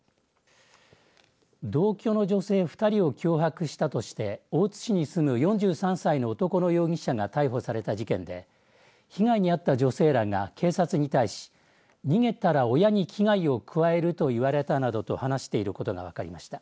同居の女性２人を脅迫したとして大津市に住む４３歳の男の容疑者が逮捕された事件で被害に遭った女性らが警察に対し逃げたら親に危害を加えると言われたなどと話していることが分かりました。